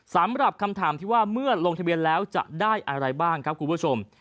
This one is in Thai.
สำหรับคำถามที่ว่าเมื่อลงทะเบียนแล้วจะได้อะไรบ้างครับคุณผู้ชม